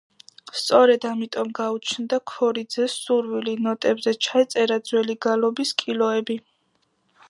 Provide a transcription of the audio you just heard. სწორედ ამიტომ გაუჩნდა ქორიძეს სურვილი, ნოტებზე ჩაეწერა ძველი გალობის კილოები.